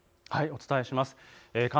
お伝えします。